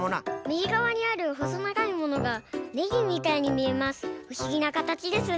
みぎがわにあるほそながいものがねぎみたいにみえます。